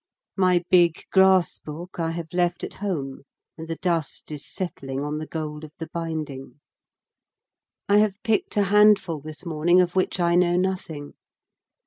My big grass book I have left at home, and the dust is settling on the gold of the binding. I have picked a handful this morning of which I know nothing.